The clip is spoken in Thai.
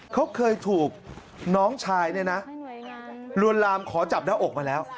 เขาเคยถูกน้องชายเนี่ยนะลวนลามขอจับหน้าอกมาแล้ว